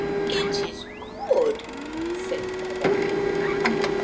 " It is good," said the mother.